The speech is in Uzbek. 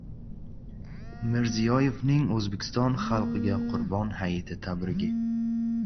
Mirziyoyevning O‘zbekiston xalqiga Qurbon hayiti tabrigi